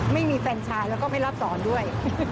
ไม่มีแฟนชายแล้วก็ไม่รับสอนด้วย